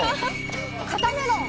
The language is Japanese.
肩メロン！